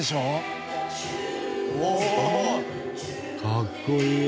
かっこいい。